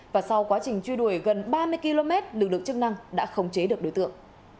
và sau quá trình truy đuổi gần ba mươi km lực lượng chức năng đã khống chế được đối tượng